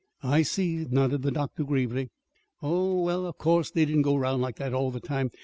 "I see," nodded the doctor gravely. "Oh, well, of course they didn't go 'round like that all the time.